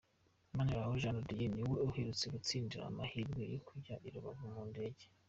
Maniraho Jean de Dieu niwe uherutse gutsindira amahirwe yo kujya i Rubavu mu ndege.